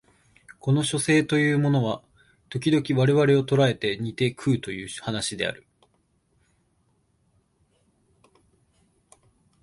この書生というのは時々我々を捕えて煮て食うという話である